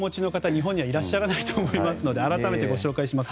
日本にはいらっしゃらないので改めてご紹介します。